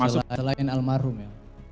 selain almarhum ya